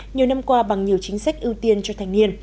nhiều năm qua bằng nhiều chính sách ưu tiên cho thanh niên